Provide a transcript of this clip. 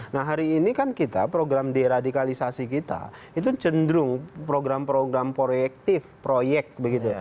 nah hari ini kan kita program deradikalisasi kita itu cenderung program program proyektif proyek begitu